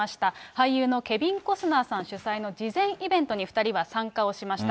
俳優のケビン・コスナーさん主催の慈善イベントに２人は参加をしました。